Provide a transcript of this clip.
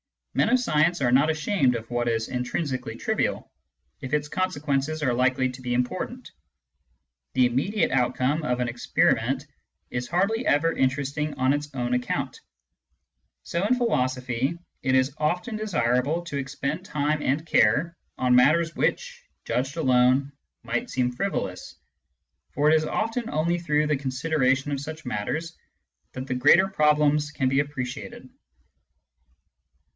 Men of science are not ashamed of what is intrinsically trivial, if its consequences are likely to be important ; the immediate outcome of an experiment is hardly ever interesting on its own account. So in philosophy, it is often desirable to expend time and care on matters which, judged alone, Digitized by Google ON THE NOTION OF CAUSE 241 might seem frivolous, for it is often only through the consideration of such matters that the greater problems can be approached.